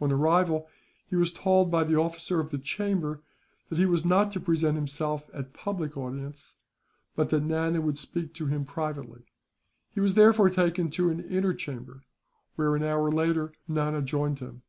On arrival, he was told by the officer of the chamber that he was not to present himself at public audience, but that Nana would speak to him privately. He was therefore taken to an inner chamber where, an hour later, Nana joined him.